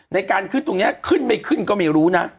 ในการขึ้นตรงนี้ขึ้นไม่ขึ้นก็ไม่รู้นะ